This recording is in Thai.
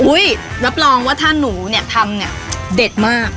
รับรองว่าถ้าหนูเนี่ยทำเนี่ยเด็ดมาก